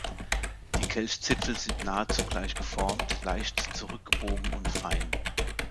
Die Kelchzipfel sind nahezu gleich geformt, leicht zurückgebogen und fein.